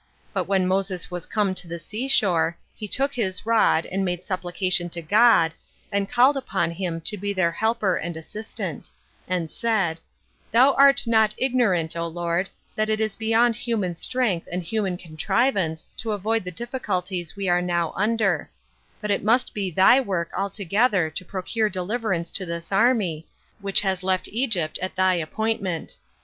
But when Moses was come to the sea shore, he took his rod, and made supplication to God, and called upon him to be their helper and assistant; and said "Thou art not ignorant, O Lord, that it is beyond human strength and human contrivance to avoid the difficulties we are now under; but it must be thy work altogether to procure deliverance to this army, which has left Egypt at thy appointment.